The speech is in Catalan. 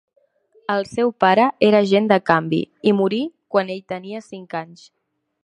El seu pare era agent de canvi i morí quan ell tenia cinc anys.